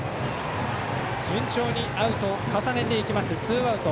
順調にアウトを重ねていってツーアウト。